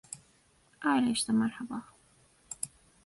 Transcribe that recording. All tracks composed by Arthur Lee, except where indicated.